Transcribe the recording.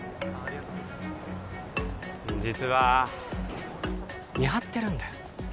実は見張ってるんだよ